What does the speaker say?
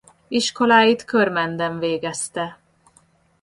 Iskoláit Körmenden végezte.